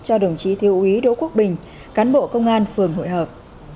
cho đồng chí thiếu úy đỗ quốc bình cán bộ công an phường hội hợp